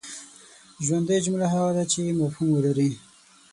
ژوندۍ جمله هغه ده چي مفهوم ولري.